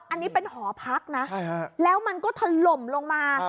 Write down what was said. อันนี้เป็นหอพักนะแล้วมันก็ถล่มลงมา